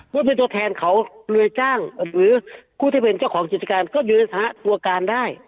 ว่าเป็นตัวแทนเขาเลยจ้างหรือผู้ที่เป็นเจ้าของกิจการก็อยู่ในสถานะตัวการได้